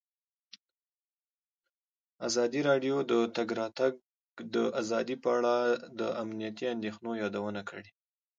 ازادي راډیو د د تګ راتګ ازادي په اړه د امنیتي اندېښنو یادونه کړې.